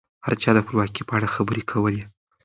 هر چا د خپلواکۍ په اړه خبرې کولې.